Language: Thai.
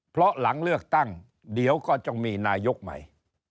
เพราะหลังเลือกตั้งเดี๋ยวก็ต้องมีนายกใหม่